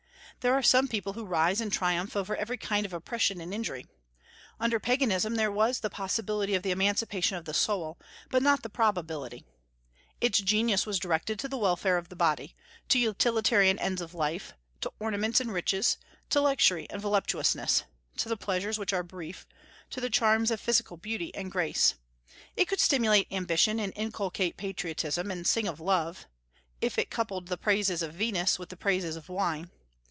There are some people who rise and triumph over every kind of oppression and injury. Under Paganism there was the possibility of the emancipation of the soul, but not the probability. Its genius was directed to the welfare of the body, to utilitarian ends of life, to ornaments and riches, to luxury and voluptuousness, to the pleasures which are brief, to the charms of physical beauty and grace. It could stimulate ambition and inculcate patriotism and sing of love, if it coupled the praises of Venus with the praises of wine.